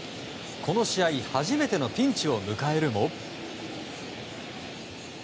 この試合初めてのピンチを迎えるも。